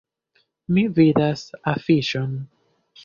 Mi vidas afiŝon.